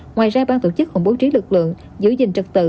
ngoài ra bang tổ chức còn bố trí lực lượng giữ gìn trật tự